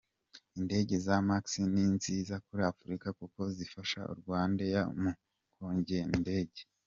Indege za Max ni nziza kuri Afurika kuko zizafasha RwandAir mu ngendo ndende.